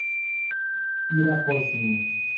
Pirapozinho